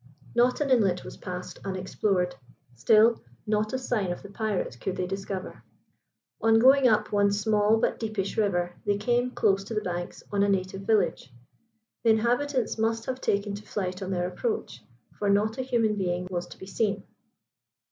Not an inlet was passed unexplored, still not a sign of the pirates could they discover. On going up one small but deepish river, they came, close to the banks, on a native village. The inhabitants must have taken to flight on their approach, for not a human being was to be seen.